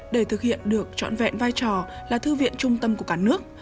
để thực hiện được trọn vẹn vai trò là thư viện trung tâm của cả nước